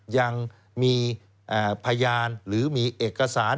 ยังมีพยานหรือมีเอกสาร